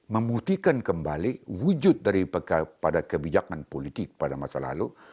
memuktikan kembali wujud dari pada kebijakan politik pada masa lalu